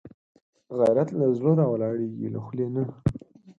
غیرت له زړه راولاړېږي، له خولې نه